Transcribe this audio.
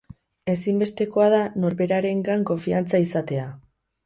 Ezinbestekoa da norberarengan konfiantza izatea.